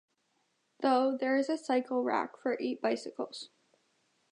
Though, there is a cycle rack for eight bicycles.